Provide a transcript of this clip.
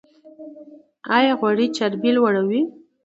ایا غوړي چربي لوړوي؟